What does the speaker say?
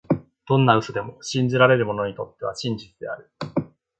どんな嘘でも、信じられる者にとっては真実である。